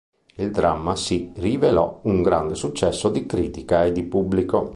Il dramma si rivelò un grande successo di critica e di pubblico.